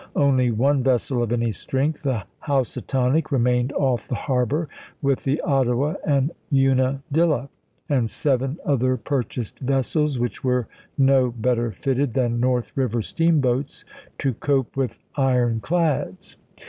Only one vessel of any strength, the Hous atonic, remained off the harbor, with the Ottawa and Unadilla, and seven other purchased vessels which were no better fitted than North Eiver steamboats to cope with iron clads.